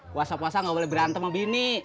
puasa puasa gak boleh berantem sama bini